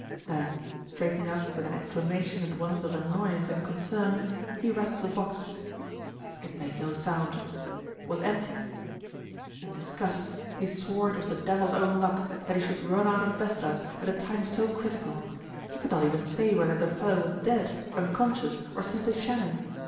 Then, straightening up with an exclamation at once of annoyance and concern, he rattled the box; it made no sound, was empty. In disgust he swore it was the devil's own luck, that he should run out of vestas at a time so critical. He could not even say whether the fellow was dead, unconscious, or simply shamming.